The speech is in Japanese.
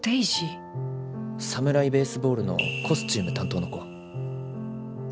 「サムライ・ベースボール」のコスチューム担当の子。